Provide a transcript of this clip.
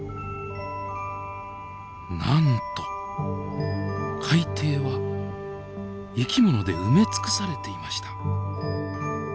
なんと海底は生き物で埋め尽くされていました。